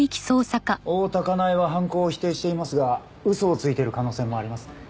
大多香苗は犯行を否定していますが嘘をついている可能性もありますね。